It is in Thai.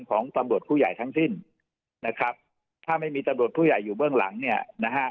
ของตำรวจผู้ใหญ่ทั้งสิ้นนะครับถ้าไม่มีตำรวจผู้ใหญ่อยู่เบื้องหลังเนี่ยนะฮะ